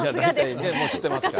大体、もう知っていますから。